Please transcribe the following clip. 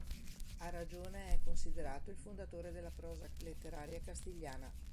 A ragione è considerato il fondatore della prosa letteraria castigliana.